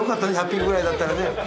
１００匹ぐらいだったらね。